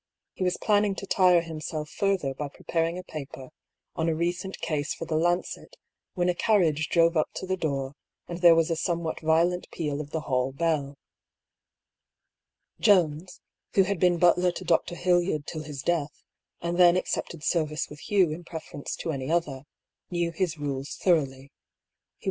He was planning to tire himself further by pre paring a paper on a recent case for the Lancet when a carriage drove up to the door, and there was a somewhat violent peal of the hall bell. Jones, who had been butler to Dr. Hildyard till his death, and then accepted service with Hugh in prefer ence to any other, knew his rules thoroughly. He was THE BEGINNING OP THE SEQUEL.